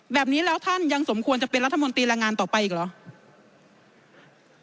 แบบนี้แล้วท่านยังสมควรจะเป็นรัฐมนตรีกระทรวงแรงงานต่อไปหรือ